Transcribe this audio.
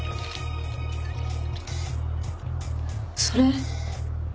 それ。